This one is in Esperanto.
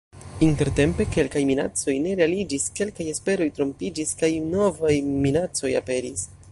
Intertempe kelkaj minacoj ne realiĝis, kelkaj esperoj trompiĝis, kaj novaj minacoj aperis.